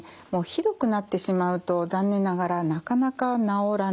ひどくなってしまうと残念ながらなかなか治らない。